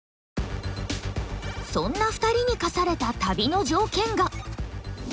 そんな２人に課された旅の条件が。